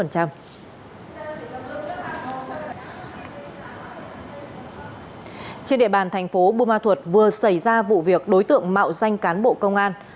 trên địa bàn thành phố bùa ma thuật vừa xảy ra vụ việc đối tượng mạo danh cán bộ công an